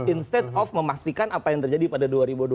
instead of memastikan apa yang terjadi pada dua ribu dua puluh